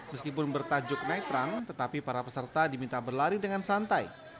meskipun bertajuk naik run tetapi para peserta diminta berlari dengan santai